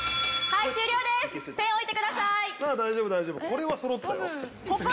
はい！